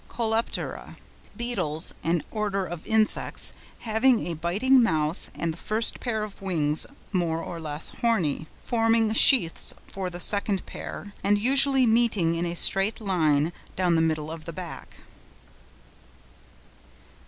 COLEOPTERA.—Beetles, an order of Insects, having a biting mouth and the first pair of wings more or less horny, forming sheaths for the second pair, and usually meeting in a straight line down the middle of the back.